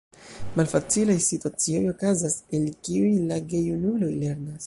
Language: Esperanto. Malfacilaj situacioj okazas, el kiuj la gejunuloj lernas.